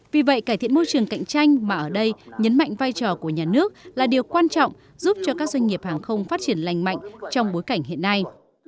vì vậy cải thiện môi trường cạnh tranh mà ở đây nhấn mạnh vai trò của nhà nước là điều quan trọng giúp cho các doanh nghiệp hàng không phát triển lành mạnh trong bối cảnh hiện nay